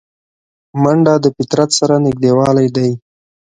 منډه د فطرت سره نږدېوالی دی